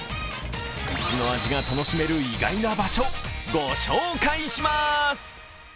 築地の味が楽しめる意外な場所、ご紹介します。